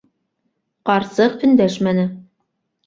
Ҡарсыҡ өндәшмәне.